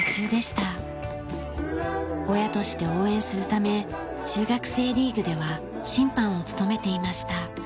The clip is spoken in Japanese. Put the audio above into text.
親として応援するため中学生リーグでは審判を務めていました。